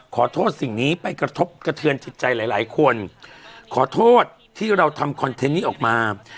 ขอโทษสิ่งนี้ไปกระทบกระเทือนจิตใจหลายหลายคนขอโทษที่เราทำคอนเทนต์นี้ออกมา